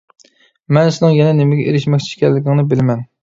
مەن سېنىڭ يەنە نېمىگە ئېرىشمەكچى ئىكەنلىكىڭنى بىلىمەن.